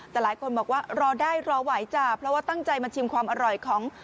แต่หลายคนบอกว่ารอได้รอไหวจ้ะเพราะว่าตั้งใจมาชิมความอร่อยของ